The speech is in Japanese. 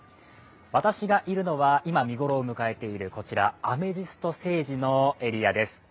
私がいるのは今、見頃を迎えているこちら、アメジストセージのエリアです。